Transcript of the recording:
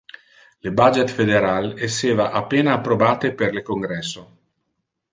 Le budget federal esseva a pena approbate per le Congresso.